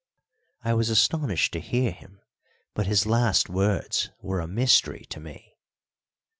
I was astonished to hear him, but his last words were a mystery to me.